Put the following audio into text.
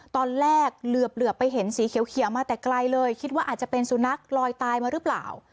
ตอนแรกเหลือไปเห็นสีเขียวมาแต่ไกลเลยคิดว่าอาจจะเป็นสุนัขลอยตายมาหรือเปล่า